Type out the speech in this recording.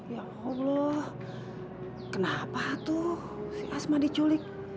ya allah kenapa tuh asma diculik